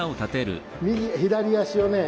左足をね